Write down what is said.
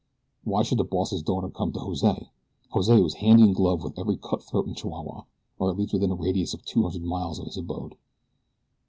Why should the boss's daughter come to Jose? Jose was hand in glove with every cutthroat in Chihuahua, or at least within a radius of two hundred miles of his abode.